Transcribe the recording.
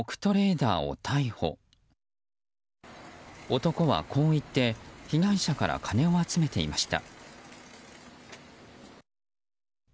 男はこう言って被害者から金を集めていました。